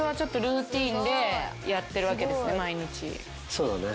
そうだね。